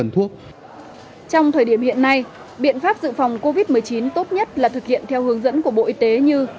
trong thời điểm hiện nay biện pháp dự phòng covid một mươi chín tốt nhất là thực hiện theo hướng dẫn của bộ y tế như